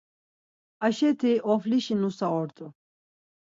Aşeti, Oflişi nusa ort̆u.